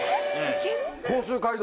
甲州街道？